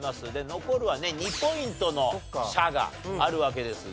残るはね２ポイントの「しゃ」があるわけですが。